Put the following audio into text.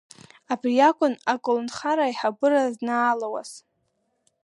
Абри иакәын аколнхара аиҳабыра знаалауаз!